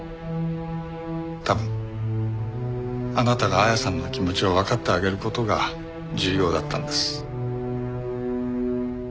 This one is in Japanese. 多分あなたが亜矢さんの気持ちをわかってあげる事が重要だったんです。